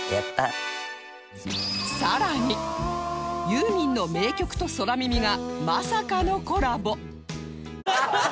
さらにユーミンの名曲と空耳がまさかのコラボ